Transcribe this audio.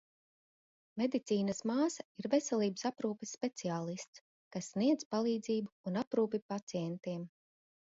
Medicīnas māsa ir veselības aprūpes speciālists, kas sniedz palīdzību un aprūpi pacientiem.